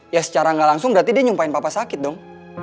ya secara gak langsung berarti dia nyumpahin papa sakit dong